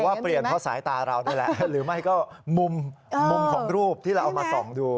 ว่าเปลี่ยนเพราะสายตาเรานี่แหละหรือไม่ก็มุมของรูปที่เราเอามาส่องดู